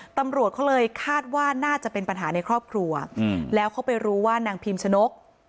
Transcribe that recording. ตำรวจเขาเลยคาดว่าน่าจะเป็นปัญหาในครอบครัวแล้วเขาไปรู้ว่านางพิมชนก